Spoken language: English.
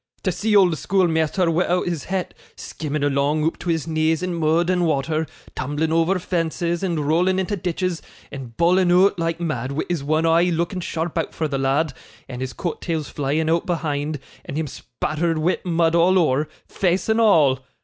To see old schoolmeasther wi'out his hat, skimming along oop to his knees in mud and wather, tumbling over fences, and rowling into ditches, and bawling oot like mad, wi' his one eye looking sharp out for the lad, and his coat tails flying out behind, and him spattered wi' mud all ower, face and all!